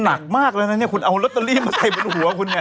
นี่คุณหนักมากเลยนะนี่คุณเอาลอตเตอรี่มาใส่บนหัวคุณเนี่ย